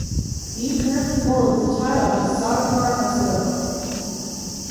He currently holds the title of Sardauna of Sokoto.